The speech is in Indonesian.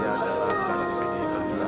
dan saya adalah bdi perjuangan